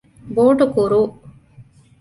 ބޯޓު ކުރޫ